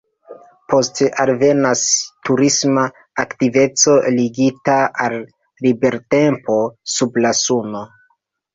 Poste alvenas turisma aktiveco ligita al libertempo sub la suno.